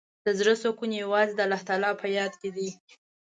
د زړۀ سکون یوازې د الله په یاد کې دی.